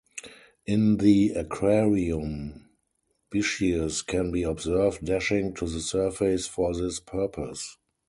In the aquarium, bichirs can be observed dashing to the surface for this purpose.